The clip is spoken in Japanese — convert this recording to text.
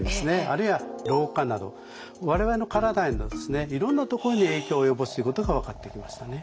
あるいは老化など我々の体へのいろんなところに影響を及ぼすということが分かってきましたね。